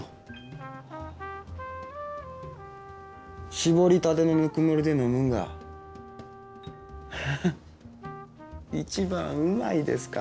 搾りたてのぬくもりで飲むんがハハッ一番うまいですから。